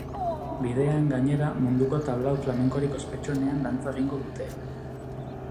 Bidean, gainera, munduko tablau flamenkorik ospetsuenean dantza egingo dute.